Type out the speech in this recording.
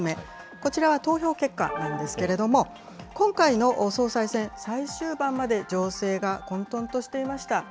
こちらは投票結果なんですけれども、今回の総裁選、最終盤まで情勢が混とんとしていました。